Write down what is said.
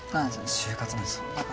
就活なんですか？